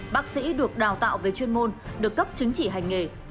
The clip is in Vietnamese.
bác sĩ được đào tạo về chuyên môn được cấp chứng chỉ hành nghề